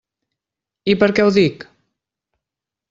I per què ho dic?